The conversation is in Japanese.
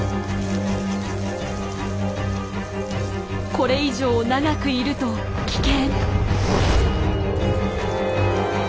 これ以上長くいると危険。